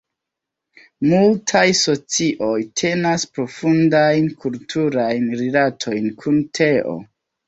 Multaj socioj tenas profundajn kulturajn rilatojn kun teo.